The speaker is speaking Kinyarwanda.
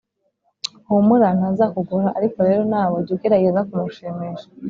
humura ntazakugora, ariko rero nawe jya ugerageza kumushimisha.